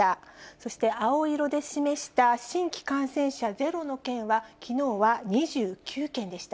そして青色で示した新規感染者ゼロの県は、きのうは２９県でした。